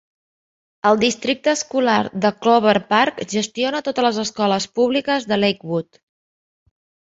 El districte escolar de Clover Park gestiona totes les escoles públiques de Lakewood.